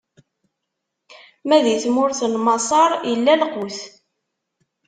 Ma di tmurt n Maṣer, illa lqut.